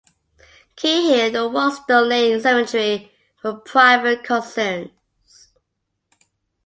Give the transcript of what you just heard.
Key Hill and Warstone Lane Cemetery were private concerns.